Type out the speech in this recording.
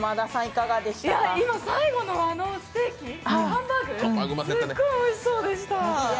今最後のあのハンバーグすっごいおいしそうでした。